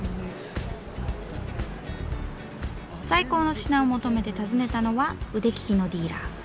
最高の品を求めて訪ねたのは腕利きのディーラー。